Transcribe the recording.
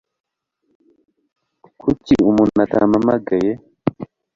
Kuki umuntu atampamagaye